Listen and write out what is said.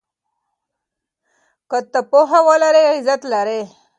که ته پوهه ولرې عزت لرې.